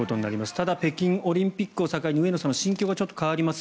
ただ、北京オリンピックを境に上野さん、心境が変わります。